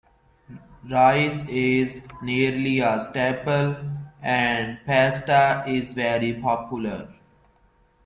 Rice is nearly a staple, and pasta is very popular.